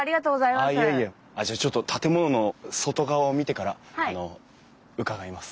じゃあちょっと建物の外側を見てから伺います。